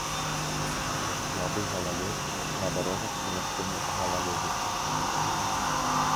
Слабы галалёд, на дарогах месцамі галалёдзіца.